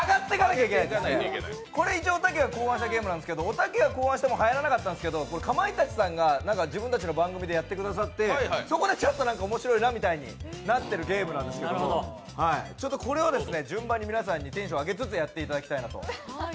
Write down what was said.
おたけが考案したゲームでおたけがやってもはやらなかったんですけどかまいたちさんが自分たちの番組でやってくださってそこでちょっと面白いなみたいになってるゲームなんですけど、これを順番に皆さんにテンションを上げつつやっていただきたいなと。